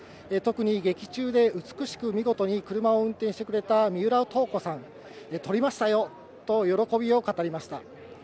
特に劇中で美しく見事に車を運転してくれた三浦透子さん、とりましたよと喜びを語りました。